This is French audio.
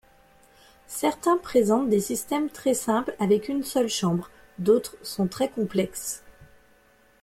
Certains présentent des systèmes très simples avec une seule chambre, d’autres sont très complexes.